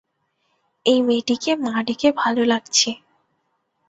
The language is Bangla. এই মেয়েটিকে মা ডেকে ভালো লাগছে।